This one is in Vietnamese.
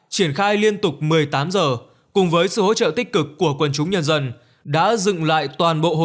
triển khai liên tục một mươi tám giờ cùng với sự hỗ trợ tích cực của quần chúng nhân dân đã dựng lại toàn bộ hồ